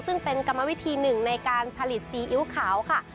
ซึ่งเป็นกรรมวิธีหนึ่งในการผลิตซีอิ๊วขาวค่ะ